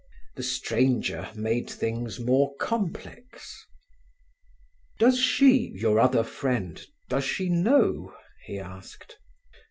The stranger made things more complex. "Does she—your other friend—does she know?" he asked.